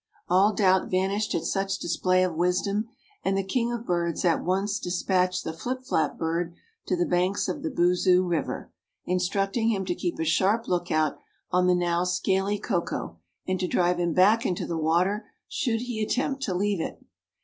All doubt vanished at such display of wisdom and the king of birds at once dispatched the Flipflap bird to the banks of the Boozoo river, instructing him to keep a sharp lookout on the now scaly Koko and to drive him back into the water should he attempt to leave it.